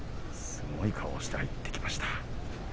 すごい顔をして入ってきました。